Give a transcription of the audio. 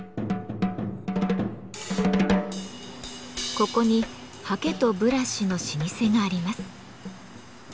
ここに刷毛とブラシの老舗があります。